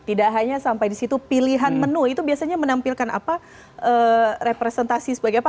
tidak hanya sampai di situ pilihan menu itu biasanya menampilkan apa representasi sebagai apa